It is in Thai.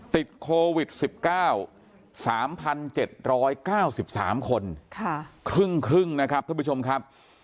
ติดโควิด๑๙๓๗๙๓คนครึ่งนะครับท่านผู้ชมครับ